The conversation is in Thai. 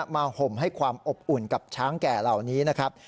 ห่มให้ความอบอุ่นกับช้างแก่เหล่านี้นะครับ